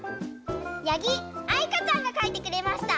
やぎあいかちゃんがかいてくれました。